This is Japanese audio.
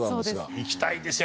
行きたいですよ